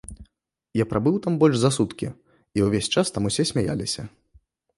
Я прабыў там больш за суткі, і ўвесь час там усе смяяліся.